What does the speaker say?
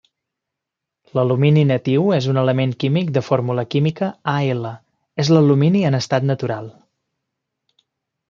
L'alumini natiu és un element químic de fórmula química Al, és l'alumini en estat natural.